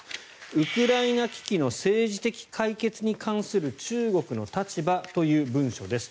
「ウクライナ危機の政治的解決に関する中国の立場」という文書です。